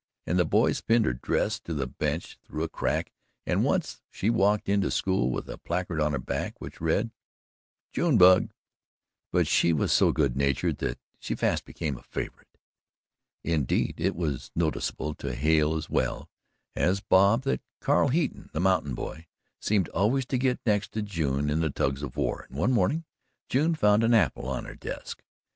And the boys pinned her dress to the bench through a crack and once she walked into school with a placard on her back which read: "June Bug." But she was so good natured that she fast became a favourite. Indeed it was noticeable to Hale as well as Bob that Cal Heaton, the mountain boy, seemed always to get next to June in the Tugs of War, and one morning June found an apple on her desk.